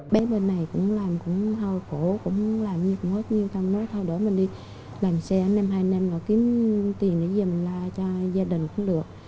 bé bên này cũng làm cũng thâu cổ cũng làm nhiều cũng hết nhiều thâu đỡ mình đi làm xe năm hai năm kiếm tiền gì mình ra cho gia đình cũng được